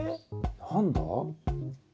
何だ？